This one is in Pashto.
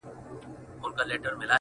o د خوار کور له دېواله معلومېږي.